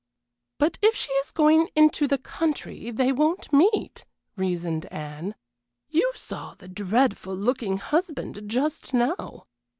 "But if she is going into the country they won't meet," reasoned Anne. "You saw the dreadful looking husband just now.